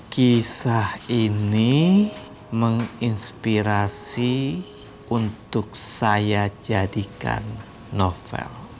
kisah ini menginspirasi untuk saya jadikan novel